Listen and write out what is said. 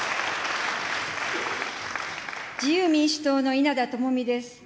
自由民主党の稲田朋美です。